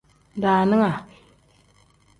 Daaninga.